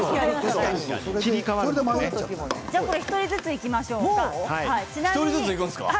１人ずついきましょう。